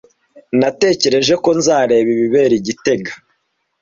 Natekereje ko nzareba ibibera i gitega.